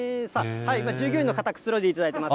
従業員の方、くつろいでいただいています。